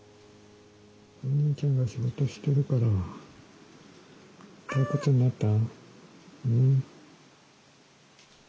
お兄ちゃんが仕事してるから退屈になった？